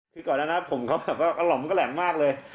คือก่อนนะครับผมเขาแบบว่าหล่อมมันก็แหลมมากเลย